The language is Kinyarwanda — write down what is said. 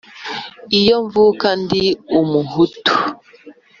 iyo mvuka ndi umuhutu